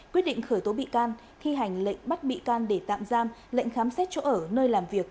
quyết định khởi tố bị can thi hành lệnh bắt bị can để tạm giam lệnh khám xét chỗ ở nơi làm việc